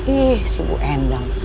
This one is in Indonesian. ih si buendang